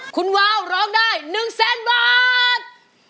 คุณวาวร้องได้๑แสนบาท